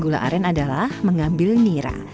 proses pembuatan gula aren adalah mengambil nira